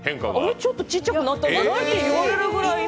ちょっとちっちゃくなったんじゃない？って言われるほどの。